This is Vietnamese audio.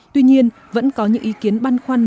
tuy nhiên vẫn có những ý kiến băn khoăn